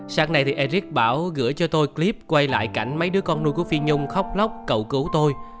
sáng nay thì eric bảo gửi cho tôi clip quay lại cảnh mấy đứa con nuôi của phi nhung khóc lóc cậu cứu tôi